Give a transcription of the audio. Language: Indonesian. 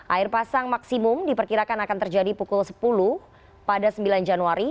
air pasang maksimum diperkirakan akan terjadi pukul sepuluh pada sembilan januari